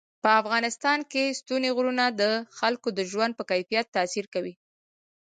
په افغانستان کې ستوني غرونه د خلکو د ژوند په کیفیت تاثیر کوي.